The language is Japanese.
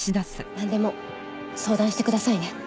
なんでも相談してくださいね。